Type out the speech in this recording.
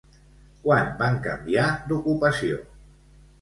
Quan van canviar d'ocupació?